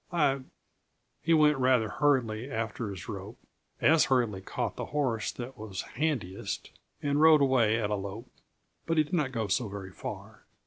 I " He went rather hurriedly after his rope, as hurriedly caught the horse that was handiest and rode away at a lope. But he did not go so very far.